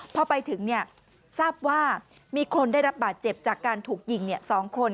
พอไปถึงทราบว่ามีคนได้รับบาดเจ็บจากการถูกยิง๒คน